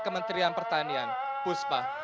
kementerian pertanian puspa